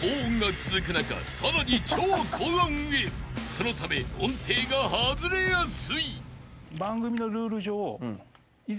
［そのため音程が外れやすい］